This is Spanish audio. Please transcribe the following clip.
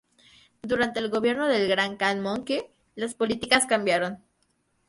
Durante el gobierno del Gran Khan Möngke las políticas cambiaron.